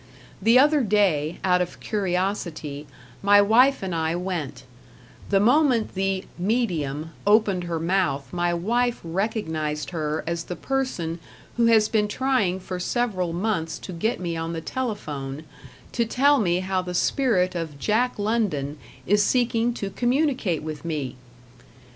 The other day, out of curiosity, my wife and I went; the moment the "medium" opened her mouth my wife recognized her as the person who has been trying for several months to get me on the telephone to tell me how the spirit of Jack London is seeking to communicate with me!